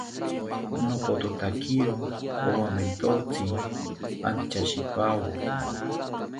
Nopothotakiro owamentotzi antyashipawo